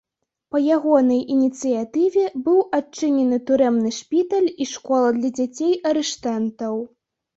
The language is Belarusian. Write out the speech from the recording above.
Па ягонай ініцыятыве быў адчынены турэмны шпіталь і школа для дзяцей арыштантаў.